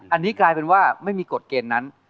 อันนี้กลายเป็นว่าไม่มีกฎเกณฑ์นั้น